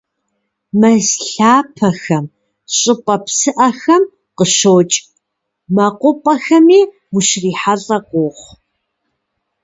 Мэз лъапэхэм, щӏыпӏэ псыӏэхэм къыщокӏ, мэкъупӏэхэми ущрихьэлӏэ къохъу.